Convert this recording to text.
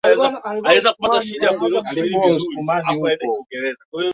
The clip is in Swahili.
kikubwa gharama za kuzitekelezaMambo makuu